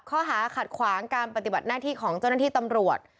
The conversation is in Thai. ข้อหาขัดขวางการปฏิบัติหน้าที่ของเจ้าหน้าที่ตำรวจ